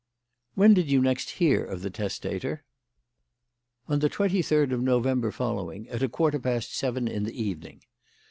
"When did you next hear of the testator?" "On the twenty third of November following at a quarter past seven in the evening.